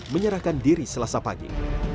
menyerahkan diri selasa pagi